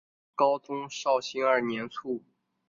高宗绍兴二年卒。